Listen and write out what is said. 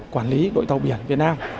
quản lý đội tàu biển việt nam